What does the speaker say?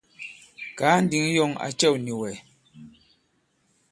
Kàa ǹdǐŋ yɔ̂ŋ à cɛ̂w nì wɛ̀.